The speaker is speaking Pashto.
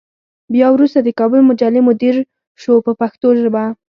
بیا وروسته د کابل مجلې مدیر شو په پښتو ژبه.